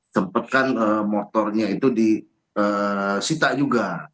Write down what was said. tempatkan motornya itu disita juga